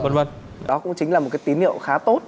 đó cũng chính là một cái tín hiệu khá tốt